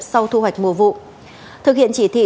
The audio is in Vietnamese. sau thu hoạch mùa vụ thực hiện chỉ thị